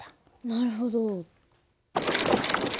なるほど。